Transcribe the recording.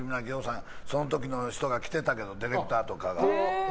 その時の人が来てたけどディレクターとかが。